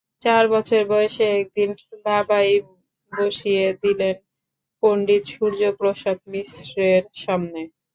চার বছর বয়সে একদিন বাবাই বসিয়ে দিলেন পণ্ডিত সূর্য প্রসাদ মিশ্রের সামনে।